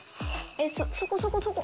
ｓそこそこそこ。